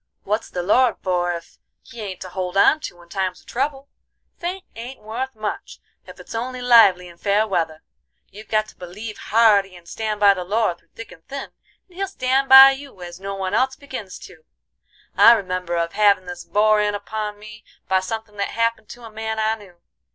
What's the Lord for ef He ain't to hold on to in times of trouble. Faith ain't wuth much ef it's only lively in fair weather; you've got to believe hearty and stan' by the Lord through thick and thin, and He'll stan' by you as no one else begins to. I remember of havin' this bore in upon me by somethin' that happened to a man I knew.